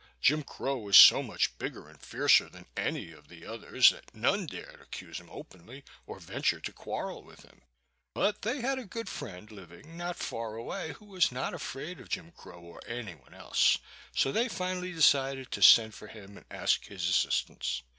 Jim Crow was so much bigger and fiercer than any of the others that none dared accuse him openly or venture to quarrel with him; but they had a good friend living not far away who was not afraid of Jim Crow or any one else, so they finally decided to send for him and ask his assistance.